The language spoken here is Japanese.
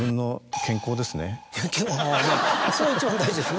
あぁそれは一番大事ですね。